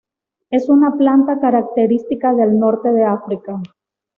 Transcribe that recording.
Es una planta característica del norte de África.